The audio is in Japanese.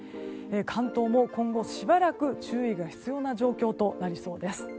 関東も今後、しばらく注意が必要な状況となりそうです。